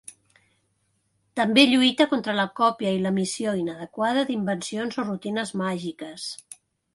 També lluita contra la còpia i l'emissió inadequada d'invencions o rutines màgiques.